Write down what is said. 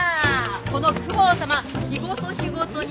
この公方様日ごと日ごとに